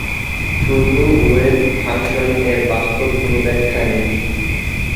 শুধু wave function এর বাস্তব কোন ব্যাখ্যা নেই।